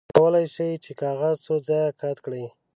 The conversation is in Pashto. تاسو کولی شئ چې کاغذ څو ځایه قات کړئ.